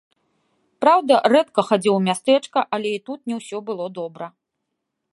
Праўда, рэдка хадзіў у мястэчка, але і тут не ўсё было добра.